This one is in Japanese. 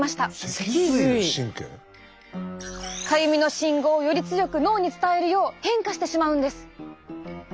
かゆみの信号をより強く脳に伝えるよう変化してしまうんです。